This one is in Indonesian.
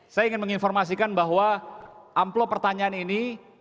saya ingin menginformasikan bahwa amplop pertanyaan ini